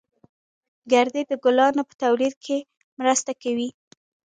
گردې د ګلانو په تولید کې مرسته کوي